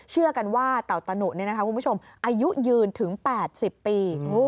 เชื่อกันว่าเตาตนุนี่นะครับคุณผู้ชมอายุยืนถึง๘๐ปี